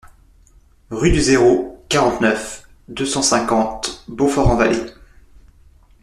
Rue des Airaults, quarante-neuf, deux cent cinquante Beaufort-en-Vallée